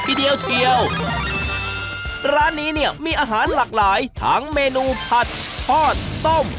ทีเดียวเชียวร้านนี้เนี่ยมีอาหารหลากหลายทั้งเมนูผัดทอดต้ม